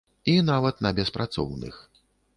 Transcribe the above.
І нават на беспрацоўных.